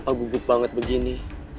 papa kenapa gugup banget begini